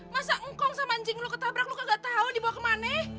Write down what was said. masa ngkong sama anjing lo ketabrak lo gak tahu dibawa ke mana